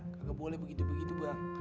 nggak boleh begitu begitu bang